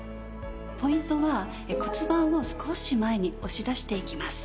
ポイントは骨盤を少し前に押し出していきます。